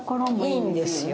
いいんですよ。